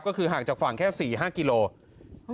ก็คือห่างจากฝั่งแค่๔๕กิโลกรัม